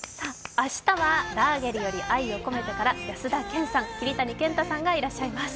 明日は「ラーゲリより愛を込めて」から安田顕さん桐谷健太さんがいらっしゃいます。